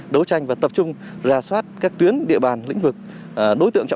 đấu tranh và tập trung rà soát các tuyến địa bàn lĩnh vực